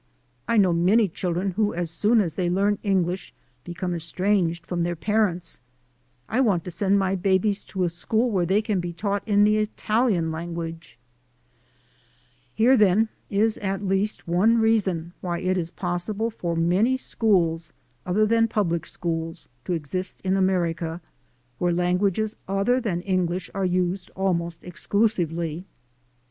I know many chil dren who as soon as they learn English become estranged from their parents. I want to send my babies to a school where they can be taught in the Italian language." Here, then, is at least one reason why it is possible for many schools, other than public schools, to exist in America, where languages other than English are used almost ex clusively.